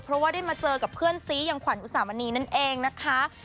เพราะว่าได้มาเจอกับเพื่อนซีอย่างขวัญอุสามณีนั่นเองนะคะ